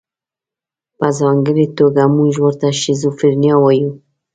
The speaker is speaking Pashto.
په ځانګړې توګه موږ ورته شیزوفرنیا وایو.